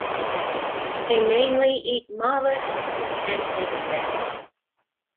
They mainly eat molluscs and insects.